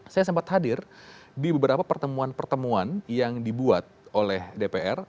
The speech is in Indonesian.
saya sempat hadir di beberapa pertemuan pertemuan yang dibuat oleh dpr